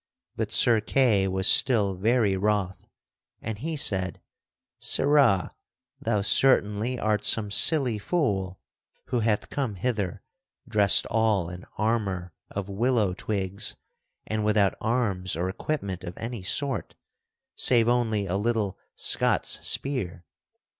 But Sir Kay was still very wroth, and he said: "Sirrah, thou certainly art some silly fool who hath come hither dressed all in armor of willow twigs and without arms or equipment of any sort save only a little Scots spear.